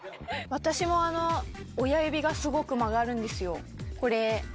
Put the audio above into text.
私も親指がすごく曲がるんですよ。